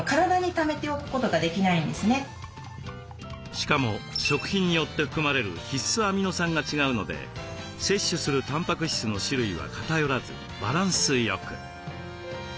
しかも食品によって含まれる必須アミノ酸が違うので摂取するたんぱく質の種類は偏らずバランスよく。